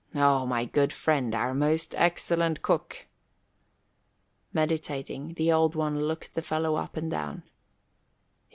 "Oh, my good friend, our most excellent cook!" Meditating, the Old One looked the fellow up and down.